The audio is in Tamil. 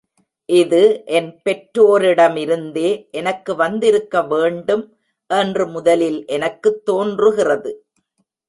இது என் பெற்றோரிடமிருந்தே எனக்கு வந்திருக்க வேண்டும் என்று முதலில் எனக்குத் தோன்றுகிறது.